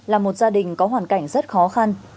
là một gia đình có hoàn cảnh rất khó khăn